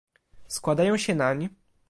Składają się nań